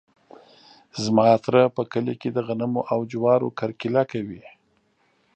زما تره په کلي کې د غنمو او جوارو کرکیله کوي.